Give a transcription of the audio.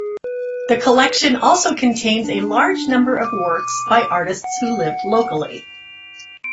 The collection also contains a large number of works by artists who lived locally.